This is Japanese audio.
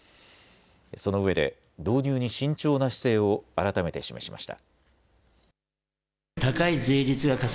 そのうえで導入に慎重な姿勢を改めて示しました。